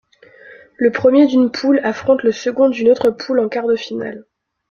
Le premier d'une poule affronte le second d'une autre poule en quart de finale.